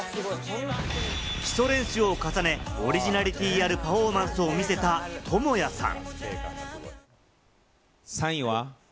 基礎練習を重ね、オリジナリティーあるパフォーマンスを見せたトモヤさん。